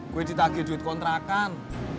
gue ditagih duit kontrakan